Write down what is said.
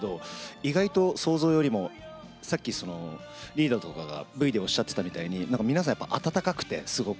意外と想像よりもリーダーとかがＶでおっしゃってたみたいに皆さんあたたかくて、すごく。